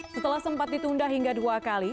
setelah sempat ditunda hingga dua kali